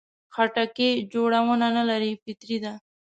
خټکی جوړونه نه لري، فطري ده.